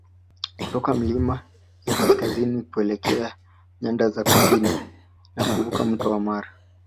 kutoka milima ya kaskazini kuelekea nyanda za kusini na kuvuka mto wa Mara